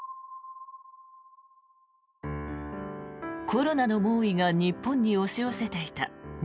コロナの猛威が日本に押し寄せていた